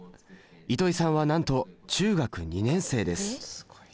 糸井さんはなんと中学２年生です。